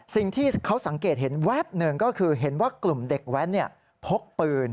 สิ่งที่เขาสังเกตเห็นแวบหนึ่งก็คือเห็นว่ากลุ่มเด็กแว้นพกปืน